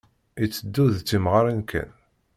Iteddu d temɣarin kan.